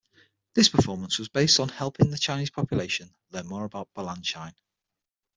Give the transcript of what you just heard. This performance was based on helping the Chinese population learn more about Balanchine.